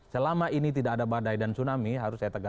selama ini tidak ada badai dan tsunami harus saya tegas